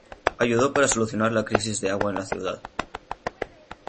Ayudó para solucionar la crisis de agua en la ciudad.